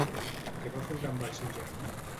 Què va fundar amb el seu germà?